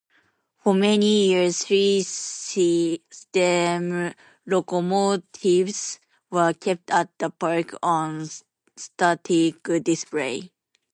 For many years, three steam locomotives were kept at the park, on static display.